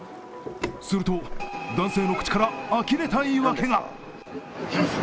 すると、男性の口からあきれた言い訳が。